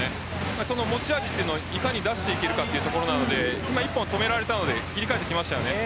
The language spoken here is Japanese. その持ち味をついに出していけるかなので今、１本止められたので切り替えてきました。